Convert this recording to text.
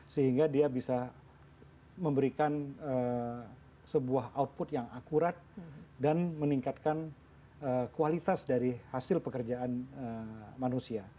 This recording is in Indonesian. sehingga dia bisa memberikan sebuah output yang akurat dan meningkatkan kualitas dari hasil pekerjaan manusia